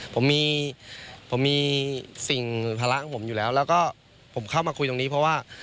ผมมีผมมีสิ่งภาระของผมอยู่แล้วแล้วก็ผมเข้ามาคุยตรงนี้เพราะว่า